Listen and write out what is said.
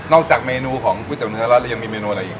จากเมนูของก๋วยเตี๋เนื้อแล้วเรายังมีเมนูอะไรอีก